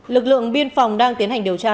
lực lượng biên phòng đang tiến hành điều tra